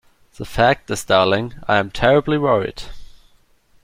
The fact is, darling, I am terribly worried.